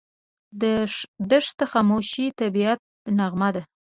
دښته د خاموش طبعیت نغمه ده.